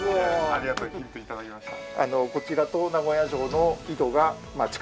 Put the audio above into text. ありがとうヒント頂きました。